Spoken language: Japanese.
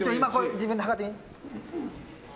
自分で量ってみ。